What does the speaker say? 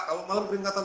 kalau malam beringkatan